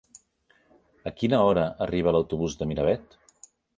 A quina hora arriba l'autobús de Miravet?